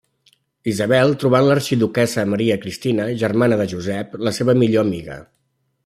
Isabel trobà en l'Arxiduquessa Maria Cristina, germana de Josep, la seva millor amiga.